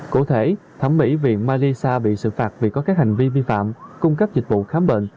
cụ thể thẩm mỹ viện marisa bị xử phạt vì có các hành vi vi phạm cung cấp dịch vụ khám bệnh